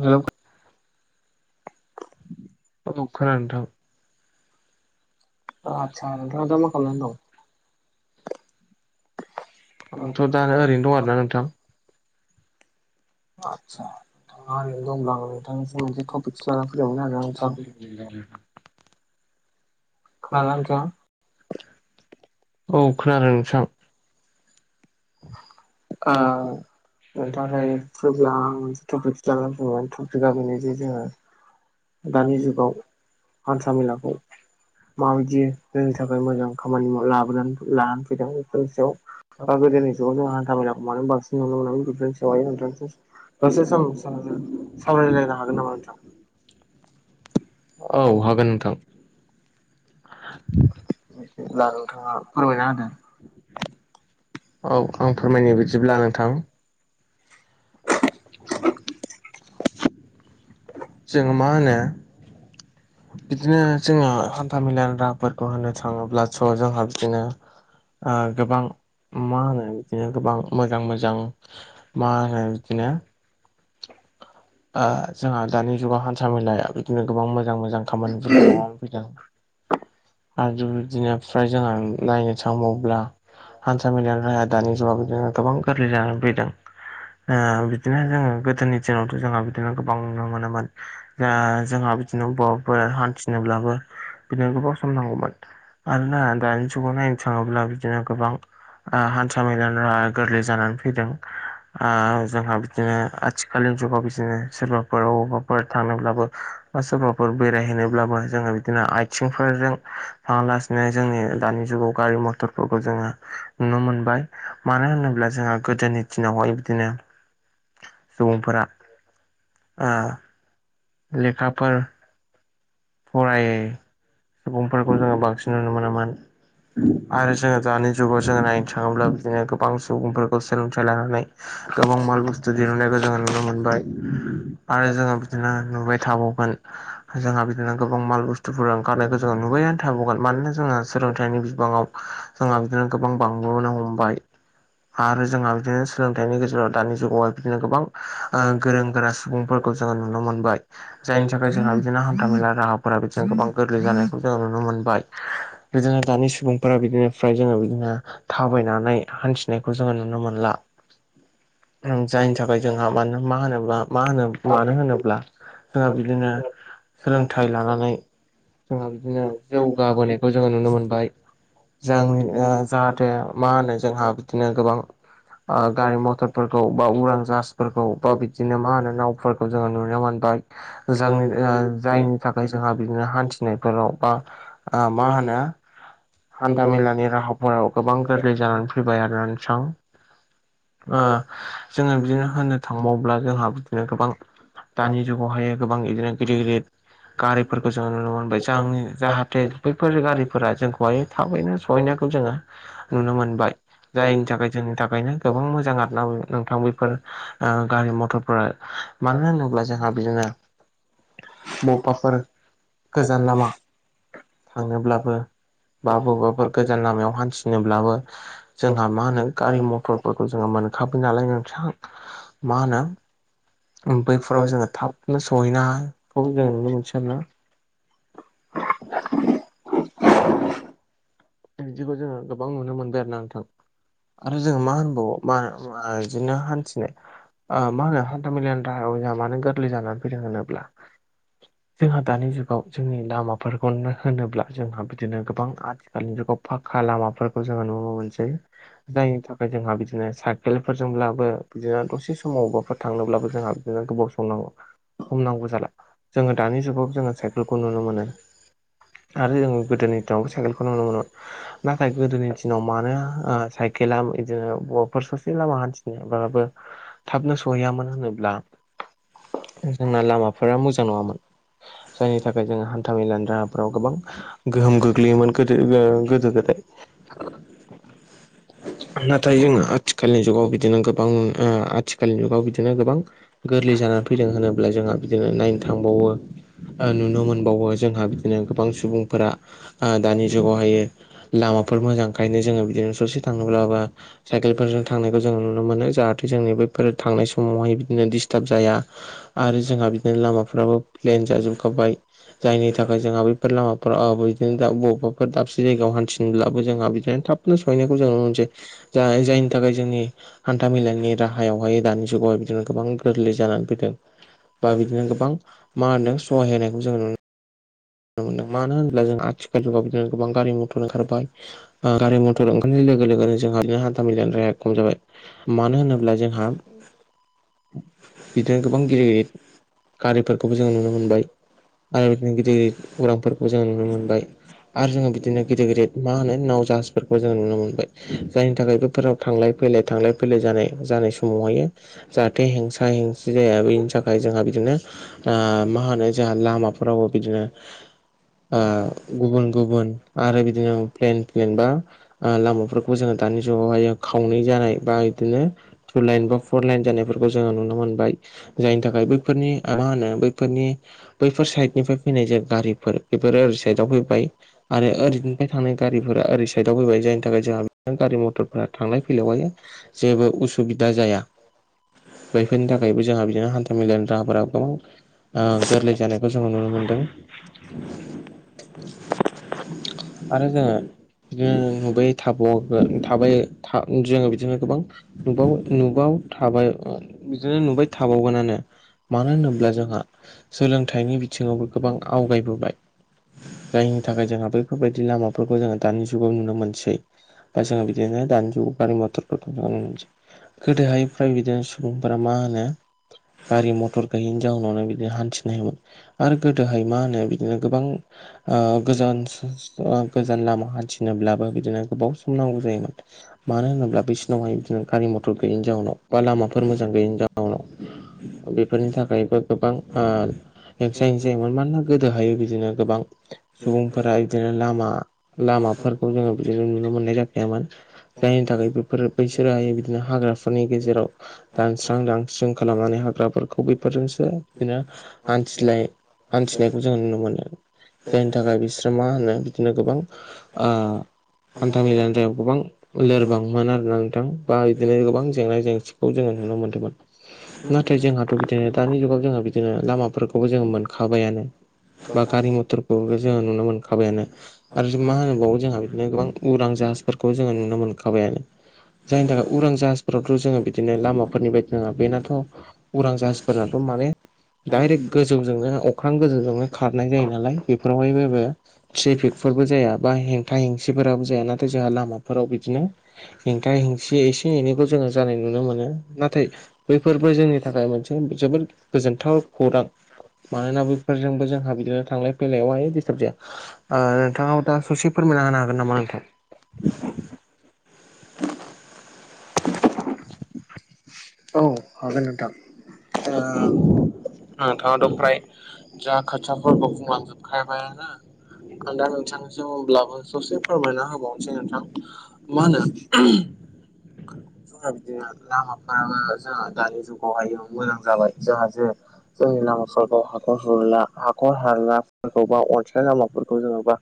Hello औ औ खोनादों नोंथां। ओ आतसा नोंथाङा दा मा खालामनानै दं? आंथ' दा ओरैनो दं आरोना नोंथां। आदसा नोंथाङा ओरैनो दब्ला आं नोंथांनिफ्राय मोनसे टपिकसो लाना फैदोंमोन आरो आं [unintelligible] [unintelligible] खोनादोंना नोंथाङा? [unintelligible] ओ औ खोनादों नोंथां। ओ नोंथाङा दायो फ्रिब्ला आं [unintelligible] जागोन फंबाय टफिगा बेनो जे जोङो दानि जुगाव हान्था मेलाखौ माबायदि जोंनि थाखाय मोजां खामानि लाबोनानै लानानै फैदों बेफोरनि सायाव [unintelligible] [unintelligible] हागोन नामा नोंथां? औ हागोन नोंथां। [unintelligible] औ बिदिब्ला नोंथाङा फोरमायनानै होदो। औ आं फोरमायनाय बायदिब्ला नोंथां [inaudible] [inaudible] जोङो मा होनो बिदिनो जोङो हान्था मेलानि राहाफोरखौ होननो थाङोब्लाथ' जोंहा बिदिनो ओ गोबां मा होनो बिदिनो गोबां मोजां मोजां मा होनो बिदिनो ओ जोंहा दानि जुगाव हान्था मेलाया बिदिनो गोबां मोजां मोजां खामानिफोरखौ मावानानै फैदों। आरो बिदिनो फ्राय जोंहा नायनो थांबावब्ला हान्था मेलाया राया [unintelligible] दानि जुगाव बिदिनो गोबां गोरलै जानानै फैदों। ओ बिदिनो जों गोदोनि दिनावथ' जोंहा बिदिनो गोबां नुनो मोनोमोन। दा जोंहा बिदिनो अबबाफोर हान्थिनोब्लाबो बिदिनो गोबाव सम नांगौमोन। आरोना दानि जुगाव नायनो थाङोब्ला बिदिनो गोबां आ हान्था मेलानि राहाया गोरलै जानानै फैदों। आ जोंहा बिदिनो आथिखालनि जुगाव बिदिनो सोरबाफोर अबावबाफोर थांनोब्लाबो बा सोरबाफोर बेरायहैनोब्लाबो जोङो बिदिनो आयथिंफोरजों थाङालासिनो जोंनि दानि जुगाव गारि मथरफोरखौ जोङो नुनो मोनबाय मानो होनोब्ला जोंहा गोदोनि दिनावहाय बिदिनो सुबुंफोरा ओ लेखाफोर फरायै सुबुंफोरखौ जोङो बांसिन नुनो मोनोमोन आरो जोङो दानि जुगाव जोङो नायनो थाङोब्ला बिदिनो गोबां सुबुंफोरखौ सोलोंथाइ लानानै गोबां माल बुस्थु दिहुननायखौ जोङो नुनो मोनबाय आरो जोङो होदो। बिदिनो नुबाय थाबावगोन। जोंहा बिदिनो गोबां माल बुस्थुफोर ओंखारनायखौ जोङो नुबायानो थाबावगोन मानोना जोङो सोलोंथाइनि बिबाङाव जोंहा बिदिनो गोबां बांबोनो हमबाय आरो जोंहा बिदिनो सोलोंथाइनि गेजेराव दानि जुगावहाय बिदिनो गोबां ओ गोरों गोरा सुबुंफोर खौ नुनो मोनबाय जायनि थाखाय जोंहा बिदिनो हान्था मेला राहाफोरा बिदिनो गोबां गोरलै जानायखौ जों नुनो मोनबाय। बिदिनो दानि सुबुंफोरा बिदिनो फ्राय जोङो बिदिनो थाबायनानै हान्थि नायखौ जोङो नुनो मोनला जायनि थाखाय जोंहा मानो मा होनोब्ला मा होनो मानो होनोब्ला जोंहा बिदिनो सोलों थाइ लानानै जोंहा बिदिनो जौगाबोनायखौ जोङो नुनो मोनबाय‌। जांनि [unintelligible] जा-जाहाथे मा होनो जोंहा बिदिनो गोबां मा गारि मथर खौ बा उरां जाहासफोरखौ बा बिदिनो मा होनो नावफोरखौ जोङो नुनो मोनबाय। [unintelligible] नि जायनि थाखाय जोंहा बिदिनो हान्थिनायफोराव बा आ मा होनो हान्थामेलानि राहाफोराव गोबां गोरलै जानानै फैबाय आरोना नोंथां ओ जोङो बिदिनो होननो थांबावब्ला जोंहा बिदिनो गोबां दानि जुगावहाय गोबां इदिनो गिदिर गिदिर गारिफोरखौ जों नुनो मोनबाय जांनि जाहाथे बैफोर गारिफोरा जोंखौहाय थाबैनो सहैनायखौ जोङो नुनो मोनबाय। जायनि थाखाय जोंनि थाखायनो गोबां मोजां आरो ना नोंथां बैफोर ओ गारि मथरफोरा मानो होनोब्ला जोंहा बिदिनो बबाफोर गोजान लामा थांनोब्लाबो बा बबेबाफोर गोजान लामायाव हान्थिनोब्लाबो जोंहा मा होनो गारि मटर फोरखौ जोङो मोनखाबाय नालाय नोंथां मा होनो ओ उम बैफोराव जोङो थाबनो सहैना जों नुनो मोनसै आरो ना [unintelligible] बिदिखौ जोङो गोबां नुनो मोनबाय आरो ना नोंथां आरो जोङो मा होनबाव मा मा ओ इदिनो हान्थिनाय ओ मा नोंथाङाथ' होनो हान्थामेलानि राहायाव जोंहा मानो गोरलै जानानै फैदों होनोब्ला जोंहा दानि जुगाव जोंनि लामाफोरखौनो होनोब्ला जोंहा बिदिनो गोबां आजि दानि जुगाव फाखा लामाफोरखौ जोङो नुनो मोनसै। जायनि थाखाय जोंहा बिदिनो साइकेलफोरजोंब्लाबो बिदिनो दसे समाव बबेबाफोर थांनोब्लाबो जोंहा नो गोबाव सम नांगौ सम नांगौ जाला जोङो दानि जुगाव जोङो साइकेलखौ नुनो मोनो। आरो जों गोदोनि दि साइकेलखौ नुनो मोनोमोन। नाथाय गोदोनि दिनाव मानो ओ साइकेला बिदिनोफोर ससे लामा हान्थिनायावबा बो थाबनो सहैयामोन होनोब्ला जोंना लामाफोरा मोजां नङामोन जायनि थाखाय जों हान्था मेलानि राहाफोराव गोबां गोहोम गोग्लैयोमोन। गोदो ओ गोदो जोब्बाय नाथाय जोङो आथिखालनि जुगाव बिदिनो गोबां ओ आथिखालनि जुगाव बिदिनो गोबां गोरलै जानानै फैदों होनोब्ला जोंहा बिदिनो नायनो थांबावो ओ नुनो मोनबावो जोंहा बिदिनो गोबां सुबुंफोरा ओ दानि जुगावहायो लामाफोर मोजांखायनो जोङो बिदिनो ससे थांब्लाबा साइकेलफोरजों थांनायखौ जोङो नुनो मोनो जाहा थे जोंनि बैफोर थांनाय समावहाय बिदिनो दिडिस्टार्ब जाया। आरो जोंहा बिदिनो लामाफ्राबो प्लेन जाजोबखाबाय जायनि थाखाय जोंहा बे बेफोर लामाफोराव बिदिनो दा बबेबाफोर दाबसे जायगायाव हान्थिनोब्लाबो जोंहा बिदिनो थाब सहैनायखौ जों नुनो मोनसै जा-जायनि थाखाय जोंनि हान्था मेलानि राहा हायावहाय दानि जुगावहाय बिदिनो गोबां गोरलै जानानै फैदों। बा बिदिनो गोबां मा होन्दों सहाय होनायखौ जों नुनो मोनो। मानो होनोब्ला जों आथिखाल जुगाव बिदिनो गोबां गारि मथर ओंखारबाय ओ गारि मथटर ओंखारनाय लोगो लोगोनो जोंहा बिदिनो हान्था मेलानि राया खम जाबाय। मानो होनोब्ला जोंहा बिदिनो गोबां गिदिर गिदिर गारिफोरखौबो जोङो नुनो मोनबाय आरो बिदिनो गिदिर गिदिर उरांफोरखौबो जोङो नुनो मोनबाय। आरो जोङो बिदिनो गिदिर गिदिर मा होनो नाव जाहाजफोरखौ जोङो नुनो मोनबाय जायनि थाखाय बैफोराव थांलाय फैलाय थांलाय फैलाय जानाय जानाय समावहायो जाहाथे हेंसा हेंसि जाया बेनि थाखाय जोंहा बिदिनो ओ मा होनो जोंहा लामाफोरावबो बिदिनो [inaudible] ओ गुबुन गुबुन आरो बिदिनो प्लेन प्लेन बा ओ लामाफोरखौ जोङो दानि जुगावहाय खावनै जानाय बा बिदिनो टु लाइन बा फर लाइन जानायफोरखौ जोङो नुनो मोनबाय जायनि थाखाय बैफोरनि मा होनो बैफोरनि बैफोर साइदनिफ्राय फैनाय जे गारिफोर बेफोरो ओरै साइदआव फैबाय। आरो ओरैनिफ्राय थांनाय गारिफोरा ओरै साइदआव फैबाय जायनि थाखाय जोंहा गारि मटरफोरा थांलाय फैलायावहायो जेबो उसुबिदा जाया बैफोरनि थाखायबो जोंहा बिदिनो हान्था मेलानि राहाफोरा गोबां ओ गोरलै जानायखौ जोङो नुनो मोनदों। आरो जोङो बिदिनो नुबाय थाबा थाबाय जोङो बिदिनो गोबां नुबा नुबाव थाबाय बिदिनो नुबाय थाबावगोनानो। मानो होनोब्ला जोंहा सोलोंथाइनि बिथिङावबो गोबां आवगायबोबाय। जायनि थाखाय जोंहा बेफोरबायदि लामाफोरखौ जोङो दानि जुगाव नुनो मोनसै। दा जोङो बिदिनो दानि जुगाव गारि मथर उम गोदो हाय फ्रायबेट स्खुल बिदिनो सुबुंफोरा मा होनो गारि मथर गैयैनि जाउनावनो बिदिनो हान्थिनायमोन। आरो गोदोहाय मा होनो बिदिनो गोबां ओ गोजान बेसेबा गोजान लामा हान्थिनोब्लाबो बिदिनो गोबाव सम नांगौ जायोमोन। मानो होनोब्ला बै समावहाय बिदिनो गारि मथर गैयिनि जाउनाव बा लामाफोर मोजां गैयैनि जाउनाव बेफोरनि थाखायबो गोबां ओ एक्सारसाइस जायोमोन मानोना गोदोहायो बिदिनो गोबां सुबुंफोरा बिदिनो लामा लामाफोरखौ जोङो बिदिनो नुनो मोननाय जाखायामोन। जायनि थाखाय बेफोरो बैसोरो बिदिनो हाग्राफोरनि गेजेराव दानस्रां दानस्रिं खालामनानै हाग्राफोरखौ बेफोरजोंसो बिदिनो हान्थिलाय हान्थिनायखौ जों नुनो मोनो। जायनि थाखाय बिसोर मा होनो बिदिनो गोबां ओ हान्था मेलानि थाखाय गोबां लोरबांमोन आरोना नोंथां बा बिदिनो गोबां जेंना जेंसिखौ जोङो नुनो मोन्दोंमोन। नाथाय जोंहाथ' बिदिनो दानि जुगाव जोङो बिदिनो लामाफोरखौबो जोङो मोनखाबायानो। बा गारि मथरखौ जोङो नुनो मोनखाबायानो आरो मा होनोबावो जोंहा बिदिनो गोबां उरां जाहाजफोरखौ जोङो नुनो मोनखाबायानो जायनि थाखाय उरां ज फोरावथ' जोङो बिदिनो लामाफोरनि बायदि नङा बेनाथ' उरां जाहाजफोरनाथ' माने डायरेक्ट गोजौजोंनो अख्रां गोजौजोंनो खारनाय जायो नालाय बेफोरावहाय बबो। ट्रेफिकफोरबो जाया बा हेंथा हेंसिफोराबो जाया नाथाय जोंहा लामाफोराव बिदिनो हेंथा हेंसि एसे एनैखौ जोङो जानाय नुनो मोनो नाथाय बैफोरबो जोंनि थाखाय मोनसे जोबोद गोजोनथाव खौरां। मानोना बेफोरजोंबो जोंहा बिदिनो थांलाय फैलायावहाय दिडिस्टार्ब जाय नोंथाङा दा ससे फोरमायना होनो हागोन नामा नोंथां। [inaudible] आग न द औ [inaudible] नोंथाङाथ' फ्राय ज खफोर बहुम मानजोब खायबायाय ना आ दा नोंथांजोंब्लाबो ससे फोरमायना होबावनोसै नोंथां मा होनो आ [inaudible] जोंहा बिदिनो जायनि लामाफ्राबो जोंहा दानि जुगावहाय मोजां जाबाय जों जे जोंनि लामाफोरखौ हाखर हुरला हाखर हारलाफोरखौबा अनसनाय लामाफोरखौ जेनबा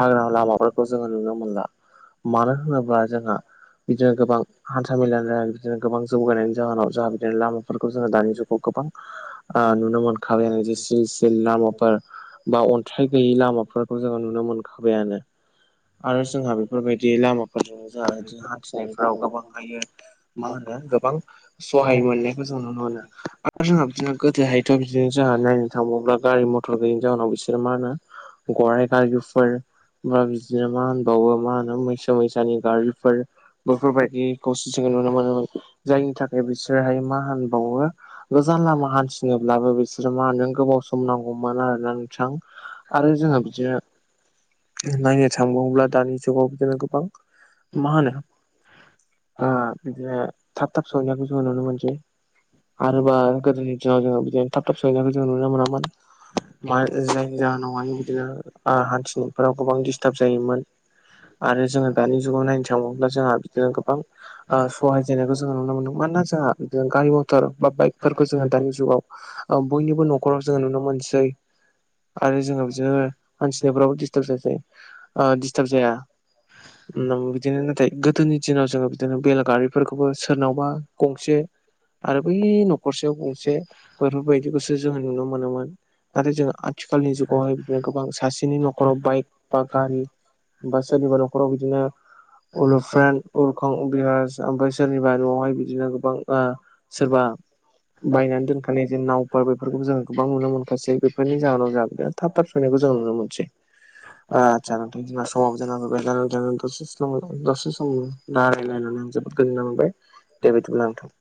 हाग्रा लामाफोरखौ जोङो नुनो मोनला मानो होनोब्ला जोंहा बिदिनो गोबां हान्था मेलानि ज बिदिनो गोबां जौगानायनि जाहोनाव जोंहा बिदिनो लामा फोरखौ जोङो दानि जुगाव गोबां नुनो मोनखाबाय आरो जे सिलल लामाफोर बा अन्थाइ गैयि लामाफोरखौ जोङो नुनो मोनखाबायानो आरो जोंहा बेफोरबायदि लामाफोरजों जोंहा इदि हान्थिनायफ्राव गोबां हायो मा होनो गोबां सहाय मोननायखौ जों नुनो मोनो आरो जोंहा बिदिनो गोदोहायथ' बिदिनो जोंहा नायनो थांबोब्ला गारि मथर गैयैनि जाहोनाव बिसोरो मा होनो गराइ गारुफोर बा बिदिनो मा होनबावो मा होनो मै समयसानि गारफोर बेफोरबायदिखौस जोङो नुनो मोनोमोन जायनि थाखाय बिसोरहाय मा होनबावो जानला गोजान लामा मानला हान्थिनोब्लाबो बिसोरो मा होनो गोबाव सम नांगौमोन आरो ना थां आरो जोङो बिदिनो नायनो थाङ्ला दानि जुगाव बिदिनो गोबां मा होनो अ बि थाब थाब सौनायखौ जोंङो नुनो मोनसै आरोबा गोदो जाव जो बिदिनो थाब थाब सैनाय जोों नुनो मोनामोन म जायनि जाहोनावनो बिदिनो हान्थिनो फोराव गोबां दिडिस्टार्ब जायोमोन आरो जोङो दानि जुगाव नायनो थाङोब्ला जोंहा बिदिनो गोबां सहाय जानायनायखौ जोङो नुनो मोनदों मानोना जोंहा गारि मथर बा बाइकफोरखौ जोो दानि जुाव बयनिबो न'खराव जोङो नुनो मोनसै आरो जोंो बिदिनो हानथिनायफ्राबो दिडिस्टार्ब जायासै दिडिस्टार्ब जाया बिदिनोथथाय गदनिथि नाव जों बिदिनो जोंहा बेलागारि फोरखबो सोरनावबा गंसे आरो बै न'खरसेयाव गंसे। जोङो नुनो मोनोमोन। आरो जों आथिखालनि जुगावहाय बिदिनो गोबां सासेनि न'खराव बाइक बा गारि बा सोरनिबा न'खराव बिदिनो उलुफेन उल औ बिरहाज आमफ्राय सोरनिबा न'आवहाय बिदिनो गोबां ओ सोरबा बायनानै दोनखा बिदिनो नावफोर बेफोरखौ जों गोबां नुनो मोनखासै। बेफोरनि जाहोनाव जोंहा थाब थाब सैनायखौ जोङो नुनो मोनसै। आदसा नों [unintelligible] दसे सम दा रायलायनानै गोजोननाय मोनबाय, दे बिदिब्ला नोंथां।